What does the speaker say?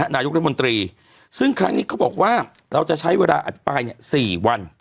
นายกรัฐมนตรีซึ่งครั้งนี้เขาบอกว่าเราจะใช้เวลาอภิปราย๔วัน